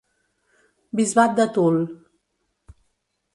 Bisbat de Toul.